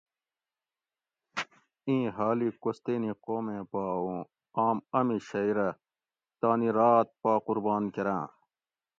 ایں حال ئ کوستینی قومیں پا اوں آم امی شئ رہ تانی رات پا قربان کراں